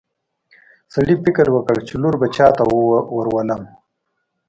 سړي فکر وکړ چې لور به باچا ته ورولم.